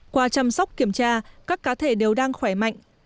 qua chăm sóc kiểm tra các cá thể đều đang khỏe mạnh